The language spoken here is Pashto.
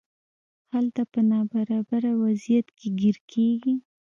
هلته په نابرابر وضعیت کې ګیر کیږي.